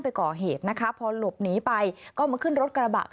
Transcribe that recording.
ไปก่อเหตุนะคะพอหลบหนีไปก็มาขึ้นรถกระบะ